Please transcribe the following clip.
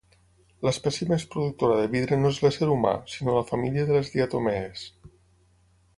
L'espècie més productora de vidre no és l'ésser humà, sinó la família de les diatomees.